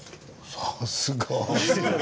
さすが。